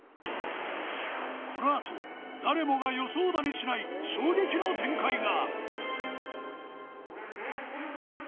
このあと誰もが予想だにしない衝撃の展開が！